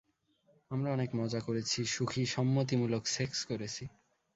আমরা অনেক মজা করেছি, সুখী, সম্মতিমূলক সেক্স করেছি।